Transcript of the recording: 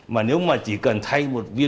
mà nếu mà chỉ cần thay một viên